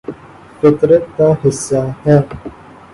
فطرت کا حصہ ہے